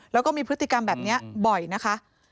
แล้วก็มีพฤติกรรมแบบนี้บ่อยนะคะ